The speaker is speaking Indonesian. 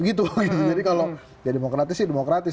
jadi kalau demokratis ya demokratis